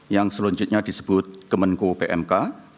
yang selanjutnya disebut kemenko pmk